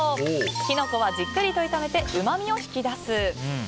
キノコはじっくり炒めてうまみを引き出す。